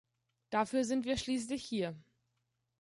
Dafür sind wir schließlich hier.